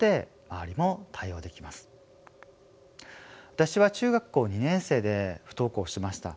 私は中学校２年生で不登校しました。